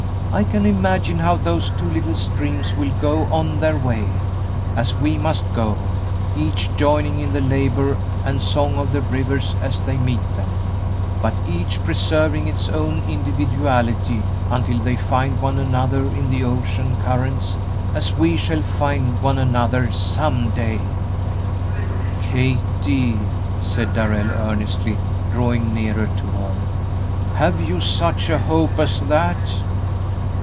I can imagine how those two little streams will go on their way, as we must go, each joining in the labor and song of the rivers as they meet them, but each preserving its own individuality until they find one another in the ocean currents, as we shall find one another some day!" "Kathie," said Darrell, earnestly, drawing nearer to her, "have you such a hope as that?"